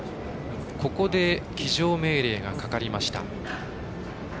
ここで騎乗命令がかかりました。